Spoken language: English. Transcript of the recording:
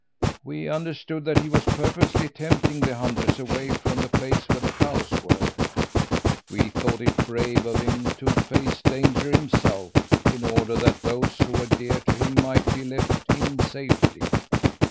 We understood that he was purposely tempting the hunters away from the place where the cows were. We thought it brave of him to face danger himself, in order that those who were dear to him might be left in safety.